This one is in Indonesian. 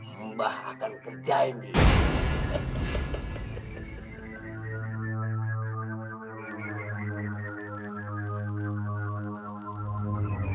mbah akan kerjain ini